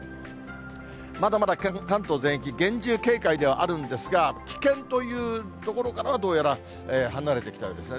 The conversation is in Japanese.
まだまだ関東全域、厳重警戒ではあるんですが、危険というところからは、どうやら離れてきたようですね。